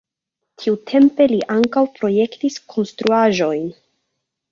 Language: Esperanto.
Tiutempe li ankaŭ projektis konstruaĵojn.